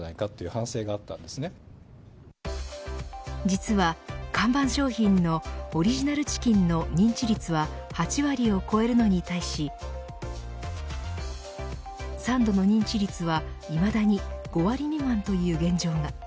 実は、看板商品のオリジナルチキンの認知率は８割を超えるのに対しサンドの認知率はいまだに５割未満という現状が。